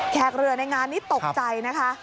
เรือในงานนี้ตกใจนะคะ